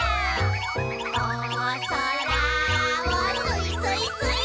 「おそらをすいすいすいー」